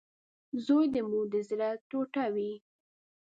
• زوی د مور د زړۀ ټوټه وي.